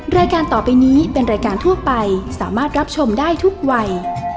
รายการต่อไปนี้เป็นรายการทั่วไปสามารถรับชมได้ทุกวัย